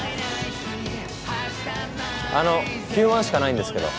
あの９万しかないんですけど。